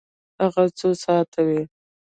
هغه څو ساعته وی؟